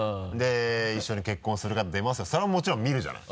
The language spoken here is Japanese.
「一緒に結婚する方出ます」とそれはもちろん見るじゃない。